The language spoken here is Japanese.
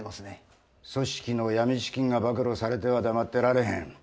組織の闇資金が暴露されては黙ってられへん。